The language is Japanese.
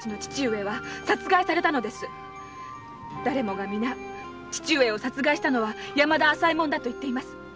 だれもが皆父上を殺害したのは山田朝右衛門だと言っています！